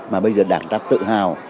mà bây giờ đảng ta tự hào